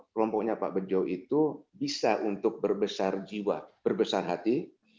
kelompoknya pak bejo itu bisa untuk berbesar jiwa berbesar hati